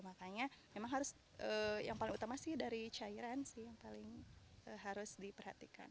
makanya memang harus yang paling utama sih dari cairan sih yang paling harus diperhatikan